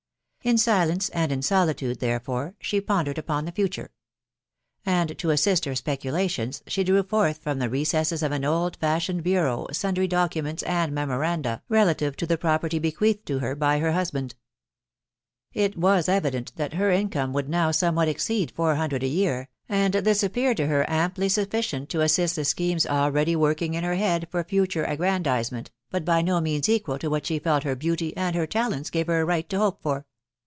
In silence and in solitude, therefore, she pondered upon the future ; and, to assist her speculations, she drew forth from the recesses of an old fashioned bureau sundry documents and memoranda relative to the property bequeathed to her by her husband. It was evident that her income would now somewhat exceed four hundred a year, and this appeared to her amply sufficient to assist the schemes already working in her head for future aggrandizement, but by no means equal to what she felt her ibeauty and her talents gave her a right to hope for.